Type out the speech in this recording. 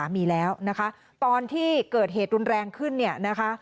มีแล้วนะคะตอนที่เกิดเหตุรุนแรงขึ้นเนี่ยนะคะ